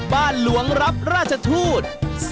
บ้านหลวงรับราชทูต